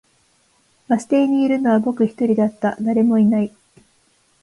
バス停にいるのは僕一人だった、誰もいない